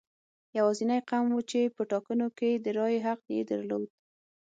یوازینی قوم و چې په ټاکنو کې د رایې حق یې درلود.